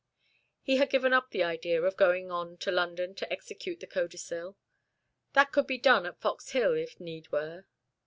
He had given up the idea of going on to London to execute the codicil. That could be done at Fox Hill, if need were.